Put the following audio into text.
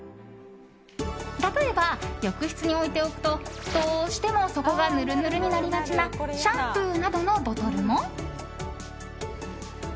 例えば、浴室に置いておくとどうしても底がぬるぬるになりがちなシャンプーなどのボトルも。